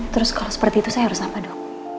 terus kalau seperti itu saya harus apa dong